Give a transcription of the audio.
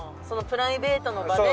プライベートの場で。